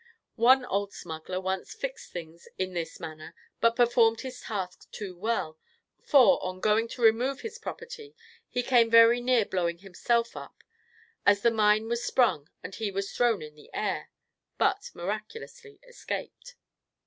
One old smuggler once fixed things in this manner, but performed his task too well; for, on going to remove his property, he came very near blowing himself up, as the mine was sprung and he was thrown in the air, but miraculously escaped.